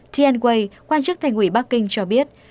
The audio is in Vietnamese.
tian wei quan chức thành quỷ bắc kinh cho biết